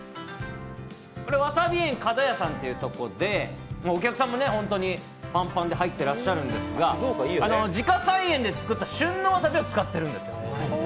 これ、わさび園かどやさんということで、お客さんも本当にパンパンで入っていらっしゃるんですが、自家菜園で作った旬のわさびを使ってるんです。